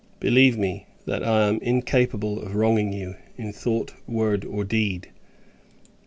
Believe me, that I am incapable of wronging you, in thought, word, or deed.